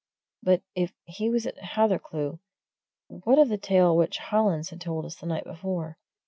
But if he was at Hathercleugh, what of the tale which Hollins had told us the night before?